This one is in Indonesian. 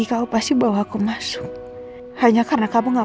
tapi aku akan coba untuk cari jalannya